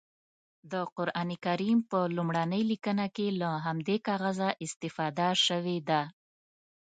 د قرانکریم په لومړنۍ لیکنه کې له همدې کاغذه استفاده شوې ده.